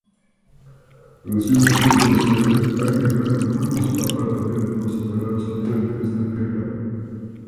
Recientemente se han agregado nuevos apartamentos para estudiantes de pregrado.